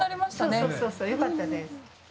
そうそうそうそうよかったです。